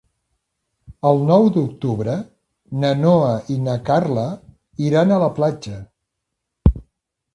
El nou d'octubre na Noa i na Carla iran a la platja.